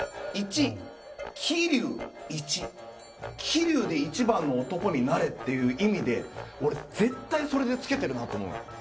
桐生で一番の男になれっていう意味で俺絶対それで付けてるなと思うの。